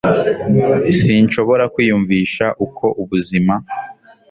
Sinshobora kwiyumvisha uko ubuzima